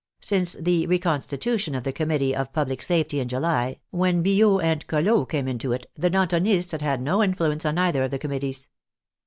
Since the reconstitution of the Committee of Public Safety in July, when Billaud and Collott came into it, the Dantonists had had no influence on either of the committees.